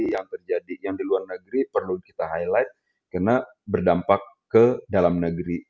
yang terjadi yang di luar negeri perlu kita highlight karena berdampak ke dalam negeri